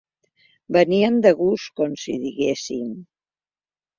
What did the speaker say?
Veníem de gust, com si diguéssim.